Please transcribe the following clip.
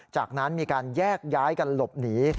จากนั้นมีการแยกย้ายกันหลบหนี